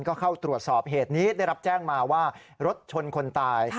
ก็เข้าตรวจสอบเหตุนี้ได้รับแจ้งมาว่ารถชนคนตาย